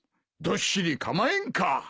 どっしり構えんか。